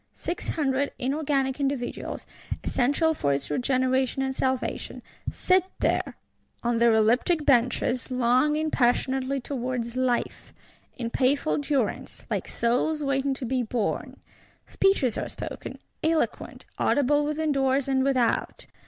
Six Hundred inorganic individuals, essential for its regeneration and salvation, sit there, on their elliptic benches, longing passionately towards life; in painful durance; like souls waiting to be born. Speeches are spoken; eloquent; audible within doors and without.